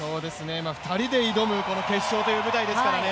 ２人で挑む決勝という舞台ですからね。